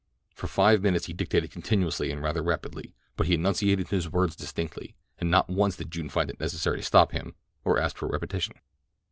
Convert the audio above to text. For five minutes he dictated continuously and rather rapidly; but he enunciated his words distinctly, and not once did June find it necessary to stop him or ask for a repetition.